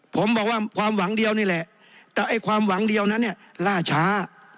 ผมบอกว่าความหวังเดียวนี่แหละแต่ไอ้ความหวังเดียวนั้นเนี่ยล่าช้า